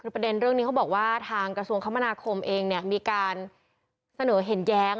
คือปัทแดนเรื่องนี้เขาบอกว่าทางกระทรวงคมนาคมเองเนี่ยมีการแบ่งกันเสนอเห็นแย้ง